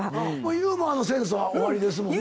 ユーモアのセンスはおありですもんね。